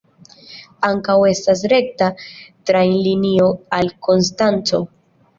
Ankaŭ estas rekta trajnlinio al Konstanco.